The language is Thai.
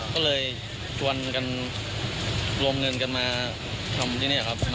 ก็เลยชวนกันรวมเงินกันมาทำที่นี่ครับ